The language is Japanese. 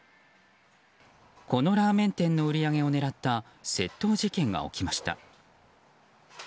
このラーメン店の売り上げを狙った窃盗事件が起きました。